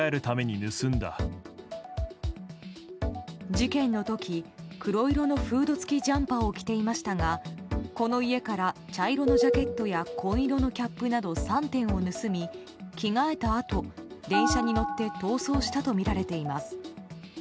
事件の時黒色のフード付きジャンパーを着ていましたがこの家から茶色のジャケットや紺色のキャップなど３点を盗み、着替えたあと電車に乗って逃走したとみられています。